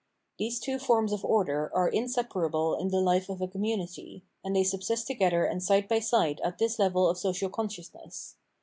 These two forms of order are inseparable in the life of a community, and they subsist together and side 438 439 Objective Sfirit by side at this level of social consciousness.